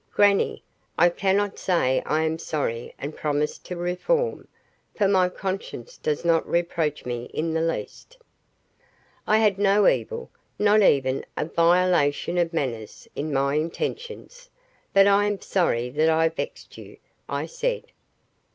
"Grannie, I cannot say I am sorry and promise to reform, for my conscience does not reproach me in the least. I had no evil not even a violation of manners in my intentions; but I am sorry that I vexed you," I said.